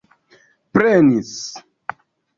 prenis